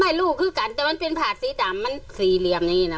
ลูกคือกันแต่มันเป็นผาดสีดำมันสี่เหลี่ยมอย่างนี้นะ